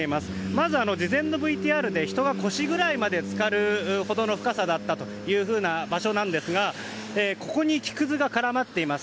まず、事前のＶＴＲで人が腰ぐらいまで浸かるほどの深さだった場所なんですがここに木くずが絡まっています。